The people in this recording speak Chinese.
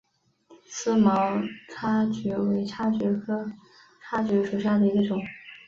思茅叉蕨为叉蕨科叉蕨属下的一个种。